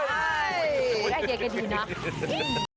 อย่าเยี่ยมกันดีนะ